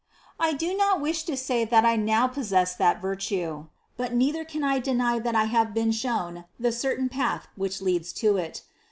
I do not wish to say that I now possess that virtue, but neither can I deny that I have been shown the certain path which leads to it.